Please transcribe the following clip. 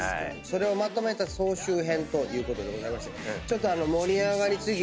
それをまとめた総集編ということでございまして。